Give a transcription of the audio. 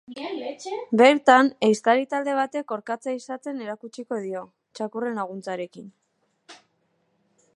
Bertan, ehiztari talde batek orkatza ehizatzen erakutsiko dio, txakurren laguntzarekin.